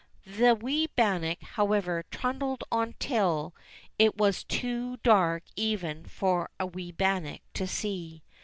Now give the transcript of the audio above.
The wee bannock, however, trundled on till it was too dark even for a wee bannock to see.